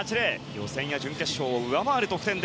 予選や準決勝を上回る得点。